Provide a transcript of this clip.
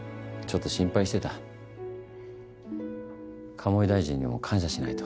鴨井大臣にも感謝しないと。